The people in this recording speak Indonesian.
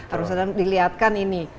harus dilihatkan ini